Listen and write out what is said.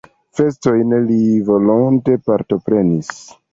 Festojn li volonte partoprenis.